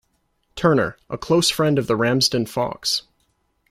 Turner, a close friend of the Ramsden Fawkes.